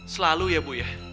selalu ya bu ya